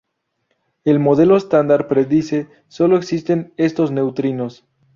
El Modelo Estándar predice sólo existen estos neutrinos.